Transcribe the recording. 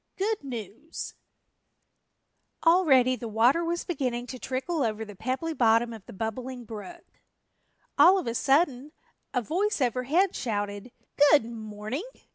GOOD NEWS ALREADY the water was beginning to trickle over the pebbly bottom of the Bubbling Brook. All of a sudden a voice overhead shouted, "Good morning!"